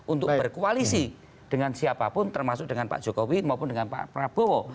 untuk berkoalisi dengan siapapun termasuk dengan pak jokowi maupun dengan pak prabowo